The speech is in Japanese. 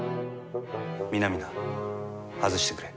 皆々外してくれ。